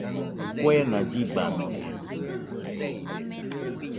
Kuena llibanote.